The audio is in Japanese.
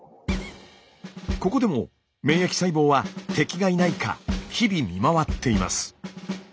ここでも免疫細胞は敵がいないか日々見回っています。